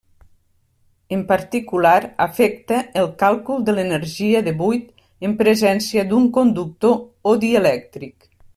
En particular, afecta el càlcul de l'energia de buit en presència d'un conductor o dielèctric.